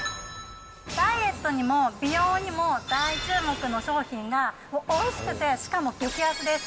ダイエットにも美容にも大注目の商品が、おいしくて、しかも激安です。